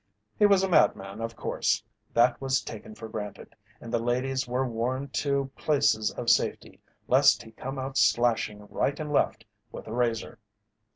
He was a madman, of course that was taken for granted and the ladies were warned to places of safety lest he come out slashing right and left with a razor.